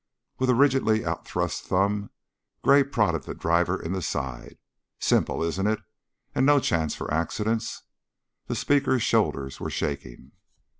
With a rigidly outthrust thumb Gray prodded the driver in the side. "Simple, isn't it? And no chance for accidents." The speaker's shoulders were shaking.